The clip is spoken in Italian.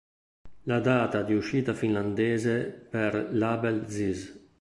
La data di uscita finlandese per "Label This!